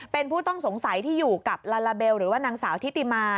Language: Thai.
เป็นผู้ต้องสงสัยที่อยู่กับลาลาเบลหรือว่านางสาวทิติมา